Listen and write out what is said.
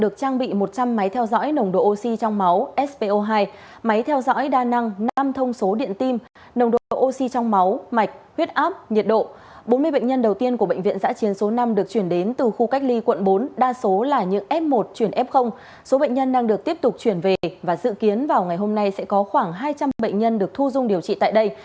các bệnh nhân đang được tiếp tục chuyển về và dự kiến vào ngày hôm nay sẽ có khoảng hai trăm linh bệnh nhân được thu dung điều trị tại đây